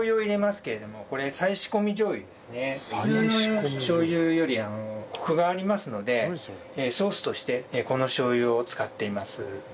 普通のしょう油よりコクがありますのでソースとしてこのしょう油を使っています。